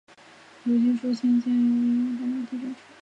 如今数千件物品已经被打捞及展出。